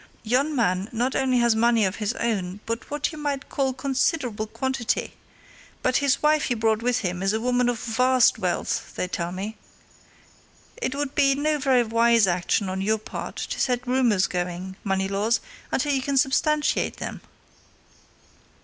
"Yon man not only has money of his own, in what you might call considerable quantity, but his wife he brought with him is a woman of vast wealth, they tell me. It would be no very wise action on your part to set rumours going, Moneylaws, unless you could substantiate them."